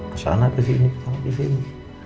kesana kesini kesana kesini